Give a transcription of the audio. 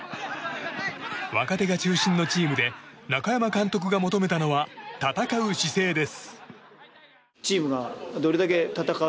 若手が中心のチームで中山監督が求めたのは戦う姿勢です。